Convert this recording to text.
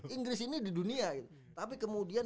inggris ini di dunia tapi kemudian